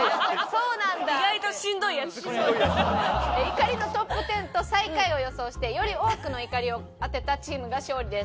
怒りのトップ１０と最下位を予想してより多くの怒りを当てたチームが勝利です。